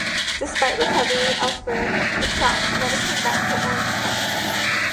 Despite recovery elsewhere, the crops never came back to Orange Park.